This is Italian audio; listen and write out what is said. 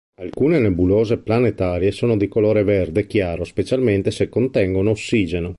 Alcune nebulose planetarie sono di colore verde chiaro, specialmente se contengono ossigeno.